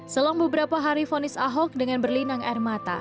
selang beberapa hari vonis ahok dengan berlinang air mata